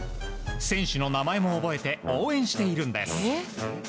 選手の名前も覚えて応援しているんです。